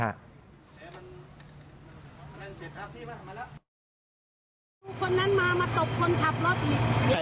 มันนั่นเจ็ดครับพี่มามาแล้ว